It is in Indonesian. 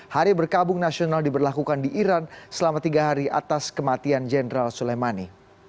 hari berkabung nasional diberlakukan di iran selama tiga hari atas kematian jenderal suleimani